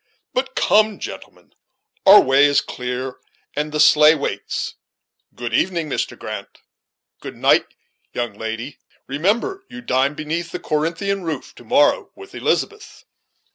But come, gentlemen, our way is clear, and the sleigh waits. Good evening, Mr. Grant. Good night, young lady remember you dine beneath the Corinthian roof, to morrow, with Elizabeth."